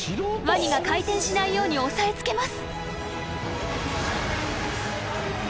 ［ワニが回転しないように押さえ付けます］